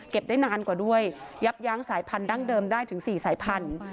ได้นานกว่าด้วยยับยั้งสายพันธั้งเดิมได้ถึง๔สายพันธุ์